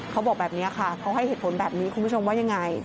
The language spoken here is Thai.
เขาบอกแบบนี้ค่ะเขาให้เหตุผลแบบนี้คุณผู้ชมว่ายังไง